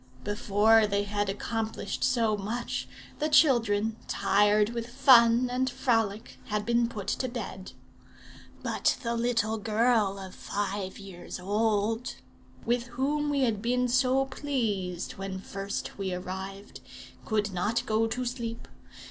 "Before they had accomplished so much, the children, tired with fun and frolic, had been put to bed. But the little girl of five years old, with whom we had been so pleased when first we arrived, could not go to sleep.